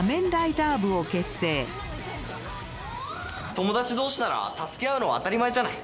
友達同士なら助け合うのは当たり前じゃない。